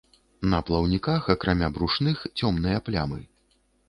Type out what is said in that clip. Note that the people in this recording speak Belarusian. На плаўніках, акрамя брушных, цёмныя плямы.